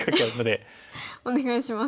お願いします。